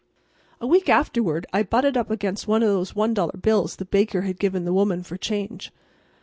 A week afterward I butted up against one of the one dollar bills the baker had given the woman for change.